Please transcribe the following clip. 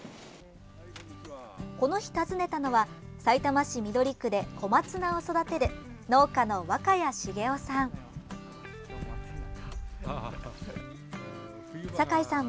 この日、訪ねたのはさいたま市緑区で小松菜を育てる農家の若谷茂夫さん。